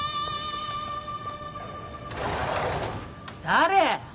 誰？